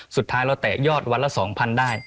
สุดท้ายเราแตะยอดวันละ๒๐๐๐ได้